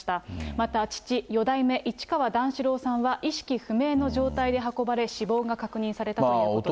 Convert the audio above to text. また父、四代目市川段四郎さんは意識不明の状態で運ばれ、死亡が確認されたということです。